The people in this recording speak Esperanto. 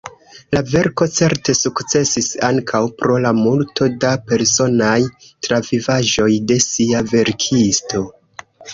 La verko certe sukcesis ankaŭ pro la multo da personaj travivaĵoj de sia verkisto.